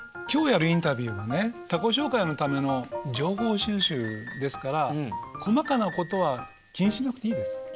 今日やるインタビューはね他己紹介のための情報収集ですから細かなことは気にしなくていいです。